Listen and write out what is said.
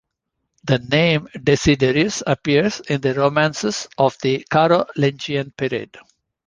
The name Desiderius appears in the romances of the Carolingian period.